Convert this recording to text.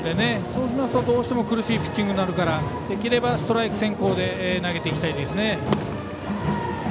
そうすると、どうしても苦しいピッチングになるのでできればストライク先行で投げていきたいですね。